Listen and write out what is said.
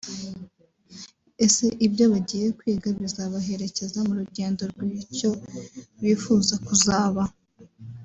Ese ibyo bagiye kwiga bizabaherekeza mu rugendo rw’icyo bifuza kuzaba